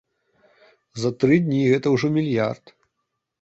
За тры дні гэта ўжо мільярд!